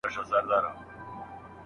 د هغې نری غږ اورېدل کېده.